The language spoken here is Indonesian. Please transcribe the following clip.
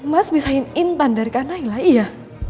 mas bisain intan dari kak naila iya